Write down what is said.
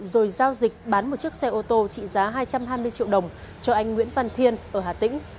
rồi giao dịch bán một chiếc xe ô tô trị giá hai trăm hai mươi triệu đồng cho anh nguyễn văn thiên ở hà tĩnh